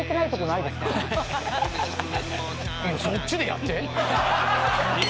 いやそっちでやって？